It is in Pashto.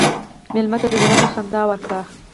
مېلمه ته د زړه نه خندا ورکړه.